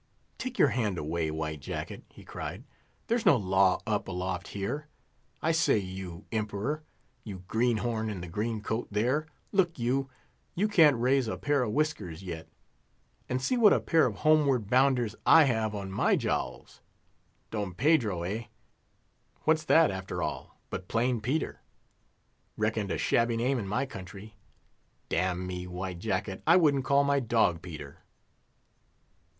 "Take your hand away, White Jacket," he cried; "there's no law up aloft here. I say, you Emperor—you greenhorn in the green coat, there—look you, you can't raise a pair of whiskers yet; and see what a pair of homeward bounders I have on my jowls! Don Pedro, eh? What's that, after all, but plain Peter—reckoned a shabby name in my country. Damn me, White Jacket, I wouldn't call my dog Peter!"